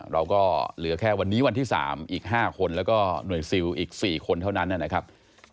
เราก็เหลือแค่วันนี้วันที่๓อีก๕คนแล้วก็หน่วยซิลอีก๔คนเท่านั้นนะครับ